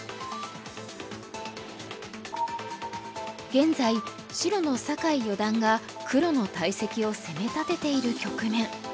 現在白の酒井四段が黒の大石を攻め立てている局面。